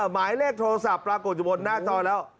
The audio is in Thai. หมายเลขโทรศัพท์ปรากฏอยู่บนหน้าจอแล้ว